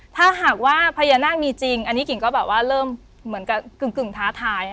ถ้าหากว่าพญานาคมีจริงอันนี้กิ่งก็แบบว่าเริ่มเหมือนกับกึ่งท้าทาย